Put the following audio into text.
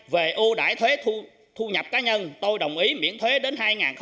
về ưu đáy thuế thu nhập cá nhân tôi đồng ý miễn thuế đến hai nghìn ba mươi